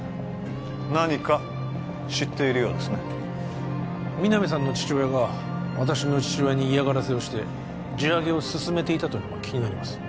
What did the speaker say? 何か知っているようですね皆実さんの父親が私の父親に嫌がらせをして地上げを進めていたというのも気になります